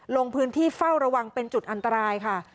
ลงพื้นที่เฝ้าระวังเป็นจุดอันตรายค่ะ